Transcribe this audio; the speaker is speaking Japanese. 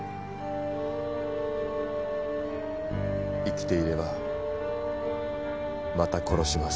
生きていればまた殺します。